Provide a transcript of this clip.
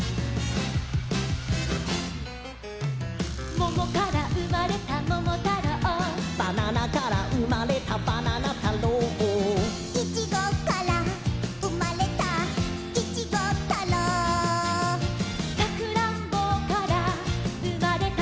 「ももからうまれたももたろう」「ばななからうまれたばななたろう」「いちごからうまれたいちごたろう」「さくらんぼからうまれた」